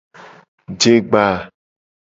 Jegba.